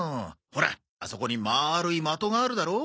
ほらあそこに丸い的があるだろ？